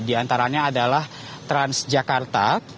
di antaranya adalah transjakarta